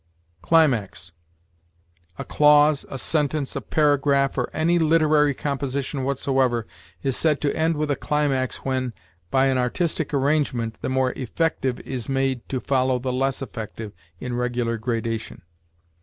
CLIMAX. A clause, a sentence, a paragraph, or any literary composition whatsoever, is said to end with a climax when, by an artistic arrangement, the more effective is made to follow the less effective in regular gradation.